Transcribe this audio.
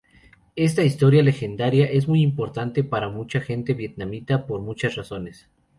Esta historia legendaria es muy importante para mucha gente vietnamita por muchas razones.